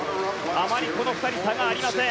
あまりこの２人差がありません。